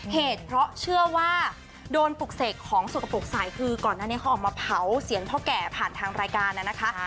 เหตุเพราะเชื่อว่าโดนปลุกเสกของสกปรกสายคือก่อนหน้านี้เขาออกมาเผาเสียงพ่อแก่ผ่านทางรายการน่ะนะคะ